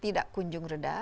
tidak kunjung reda